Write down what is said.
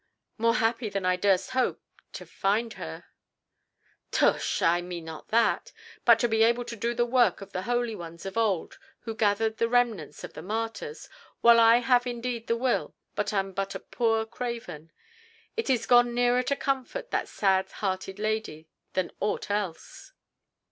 "More happy than I durst hope—to find her—" "Tush! I meant not that. But to be able to do the work of the holy ones of old who gathered the remnants of the martyrs, while I have indeed the will, but am but a poor craven! It is gone nearer to comfort that sad hearted lady than aught else."